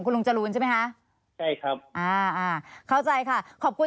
คุณลุงจรูนใช่ไหมคะใช่ครับอ่าอ่าเข้าใจค่ะขอบคุณ